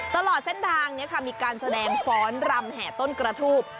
ตลอดเส้นทางมีการแสดงฟ้อนรำแห่ต้นกระทูบ